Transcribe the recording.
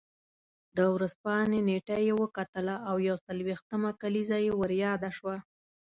د ورځپاڼې نېټه یې وکتله او یو څلوېښتمه کلیزه یې ور یاده شوه.